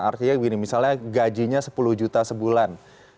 artinya gini misalnya gajinya sepuluh juta sebulan